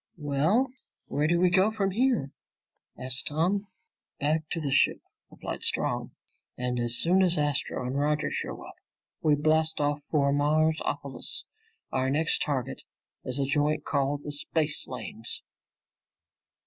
"Well? Where do we go from here?" asked Tom. "Back to the ship," replied Strong. "And as soon as Astro and Roger show up, we blast off for Marsopolis. Our next target is a joint called the Spacelanes!"